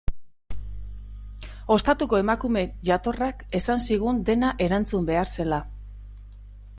Ostatuko emakume jatorrak esan zigun dena erantzun behar zela.